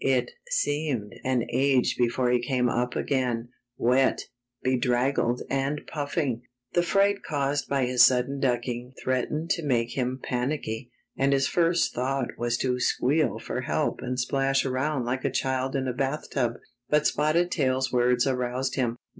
It seemed an age before he came up again, wet, be draggled and puffing. The fright caused by his sudden ducking threatened to make him panicky, and his first thought was to squeal for help and splash around like a child in a bathtub. But Spotted Tail's words aroused him.